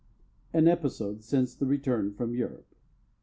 AN EPISODE SINCE THE RETURN FROM EUROPE.